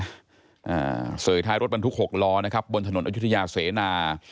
อ่าเสยท้ายรถบรรทุกหกล้อนะครับบนถนนอยุธยาเสนา